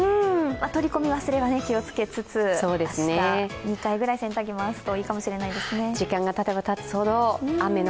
取り込み忘れは気をつけつつ、明日、２回ぐらい洗濯機回すといいかもしれないですね。